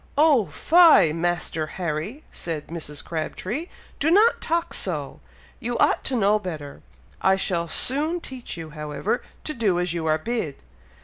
"Oh fie, Master Harry!" said Mrs. Crabtree. "Do not talk so! You ought to know better! I shall soon teach you, however, to do as you are bid!"